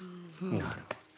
なるほど。